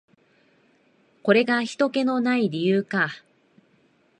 これがひとけの無い理由か。